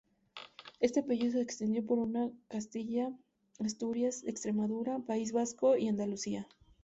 Este apellido se extendió por toda Castilla, Asturias, Extremadura, País Vasco y Andalucía.